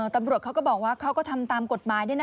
ตำรวจเขาก็บอกว่าเขาก็ทำตามกฎหมาย